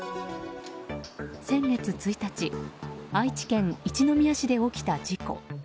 先月１日愛知県一宮市で起きた事故。